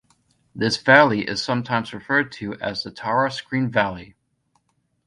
This valley is sometimes referred to as the Tara-Skryne Valley.